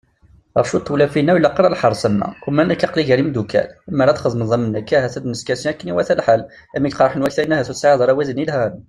Ɣef cwiṭ n tewlafin-a, ur ilaq ara lḥerṣ am wa, uma nekk aql-i gar yimeddukal, lemmer ad d-txedmeḍ am nekk, ahat ad neskasi akken iwata lḥal, imi k-qerḥen waktayen ahat ur tesɛiḍ ara widen yelhan ?